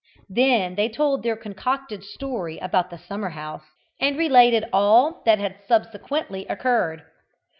Then they told their concocted story about the summer house, and related all that had subsequently occurred.